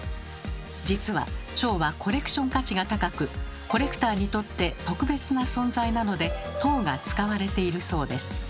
実はチョウはコレクション価値が高くコレクターにとって特別な存在なので「頭」が使われているそうです。